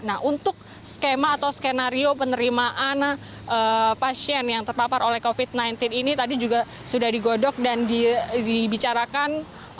nah untuk skema atau skenario penerimaan pasien yang terpapar oleh covid sembilan belas ini tadi juga sudah digodok dan dibicarakan